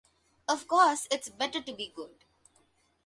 Of course it’s better to be good.